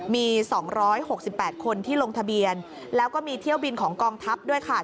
มี๒๖๘คนที่ลงทะเบียนแล้วก็มีเที่ยวบินของกองทัพด้วยค่ะ